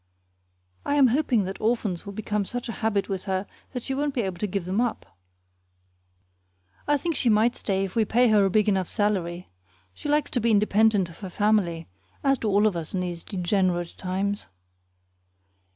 I am hoping that orphans will become such a habit with her that she won't be able to give them up. I think she might stay if we pay her a big enough salary. She likes to be independent of her family, as do all of us in these degenerate times.